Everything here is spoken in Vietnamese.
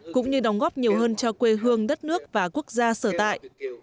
cũng như đóng góp nhiều hơn cho quê hương đất nước và quốc gia sở tại